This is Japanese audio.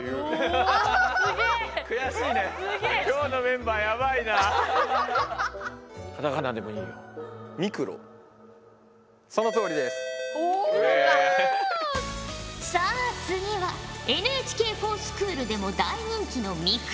さあ次はＮＨＫｆｏｒＳｃｈｏｏｌでも大人気の「ミクロワールド」から。